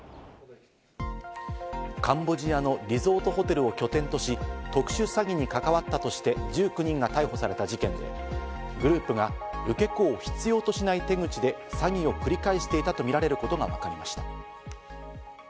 カンボジアのリゾートホテルを拠点とし、特殊詐欺に関わったとして１９人が逮捕された事件で、グループが受け子を必要としない手口で詐欺を繰り返していたとみられることがわかりました。